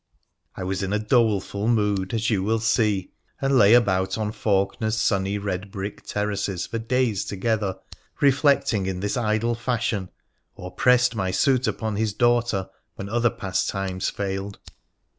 I was in a doleful mood, as you will see, and lay about on Faulkener's sunny, red brick terraces for days together, reflecting in this idle fashion, or pressed my suit upon his daughter when other pastimes failed.